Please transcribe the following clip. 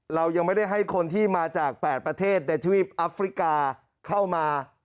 เรายังไม่ได้ให้คนที่มาจาก๘ประเทศในทวีปอัฟริกาเข้ามา